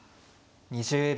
２０秒。